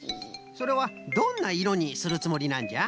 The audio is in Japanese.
それはどんないろにするつもりなんじゃ？